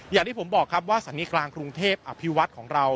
อย่างที่ผมบอกครับว่าสถานีกลางกรุงเทพอภิวัตรของเรา